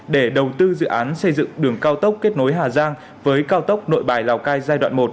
để đầu tư dự án xây dựng đường cao tốc kết nối hà giang với cao tốc nội bài lào cai giai đoạn một